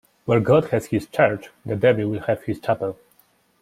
Where God has his church, the devil will have his chapel.